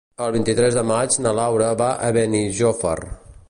El vint-i-tres de maig na Laura va a Benijòfar.